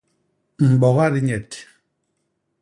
Mboga dinyet.